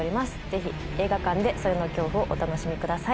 ぜひ映画館で“それ”の恐怖をお楽しみください。